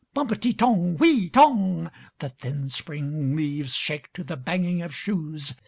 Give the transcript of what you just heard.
Bump e ty tong! Whee e e! Tong! The thin Spring leaves Shake to the banging of shoes.